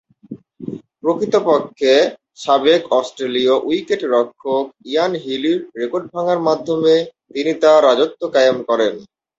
প্রকৃতপক্ষে সাবেক অস্ট্রেলীয় উইকেট-রক্ষক ইয়ান হিলি’র রেকর্ড ভাঙ্গার মাধ্যমে তিনি তার রাজত্ব কায়েম করেন।